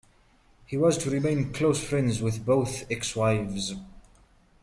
He was to remain close friends with both ex-wives.